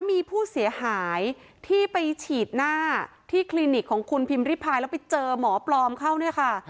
มีผู้เสียหายที่ไปฉีดหน้าที่คลินิกของคุณพิมพิพายแล้วไปเจอหมอปลอมเข้าเนี่ยค่ะ